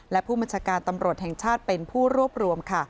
และผู้บัญชาการตำรวจแห่งชาติเป็นผู้รวบรวมค่ะ